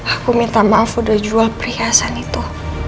aku minta maaf udah jual perhiasan itu